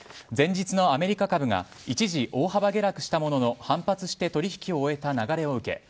前日のアメリカ株が一時、大幅下落したものの反発して取引を終えた流れを受け